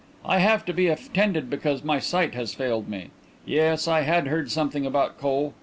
I have to be attended because my sight has failed me. Yes, I had heard something about coal.